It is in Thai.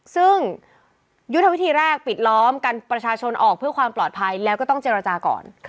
ซึ่งยุทธวิธีแรกปิดล้อมกันประชาชนออกเพื่อความปลอดภัยแล้วก็ต้องเจรจาก่อน